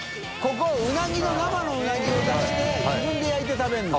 海生のうなぎを出して焼いて食べるの。